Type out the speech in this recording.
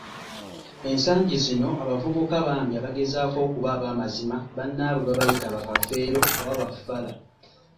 Ensangi zino abavubuka bambi abagezaako okuba abaamazima bannaabwe babayita ba, Kafeero oba ba, Fala.